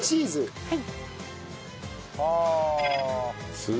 はい。